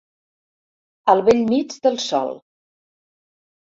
Al bell mig del sol.